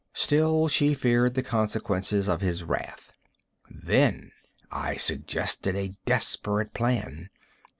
Still she feared the consequences of his wrath. Then I suggested a desperate plan.